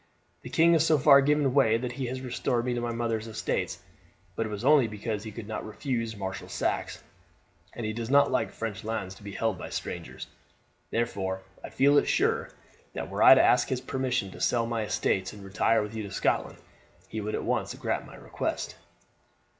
The king has so far given way that he has restored me my mother's estates, but it was only because he could not refuse Marshal Saxe, and he does not like French lands to be held by strangers; therefore I feel sure, that were I to ask his permission to sell my estates and to retire with you to Scotland he would at once grant my request."